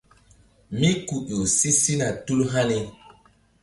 Mí ku ƴo si sina tul hani.